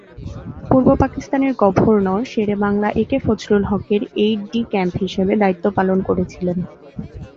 পূর্ব পাকিস্তানের governor Shere Bangla A K Fazlul হকের aide de camp হিসাবে দায়িত্ব পালন করেছিলেন।